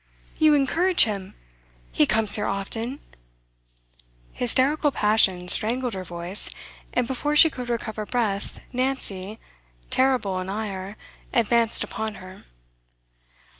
You encourage him; he comes here often ' Hysterical passion strangled her voice, and before she could recover breath, Nancy, terrible in ire, advanced upon her.